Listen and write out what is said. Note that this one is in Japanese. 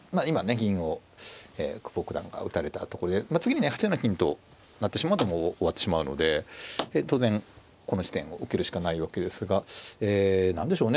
銀を久保九段が打たれたところでまあ次にね８七金となってしまうともう終わってしまうので当然この地点を受けるしかないわけですが何でしょうね。